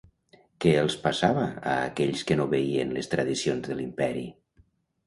Què els passava a aquells que no obeïen les tradicions de l'imperi?